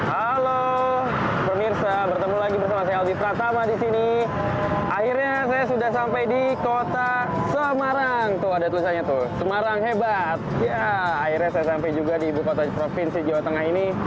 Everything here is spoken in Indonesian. albi pratama jawa tengah